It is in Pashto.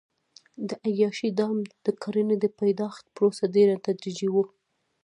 د عیاشۍ دام د کرنې د پیدایښت پروسه ډېره تدریجي وه.